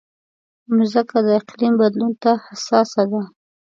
مځکه د اقلیم بدلون ته حساسه ده.